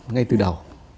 ngay từ đầu